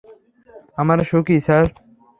আমরা সুখী, স্যার।